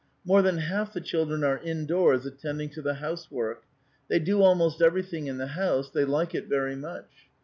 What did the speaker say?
More than half the children are indoors, attending to the housework. They do almost everything in the house ; they like it very much.